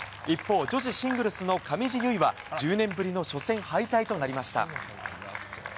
一方女子シングルスの上地結衣は１０年ぶりの初戦敗退となりました。